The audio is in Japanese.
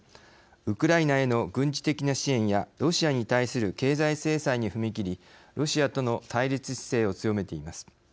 ウクライナへの軍事的な支援やロシアに対する経済制裁に踏み切りロシアとの対立姿勢を強めています。